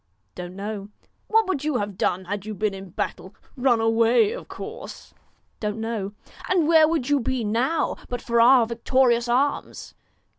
' Don't know.' 'What would you have done had you been in battle ? Run away, of course.' ' Don't know.' 'And where would you be now, but for our victorious arms